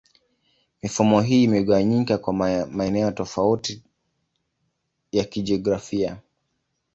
Mifumo hii imegawanyika kwa maeneo tofauti ya kijiografia.